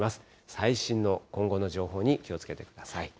最新の今後の情報に気をつけてください。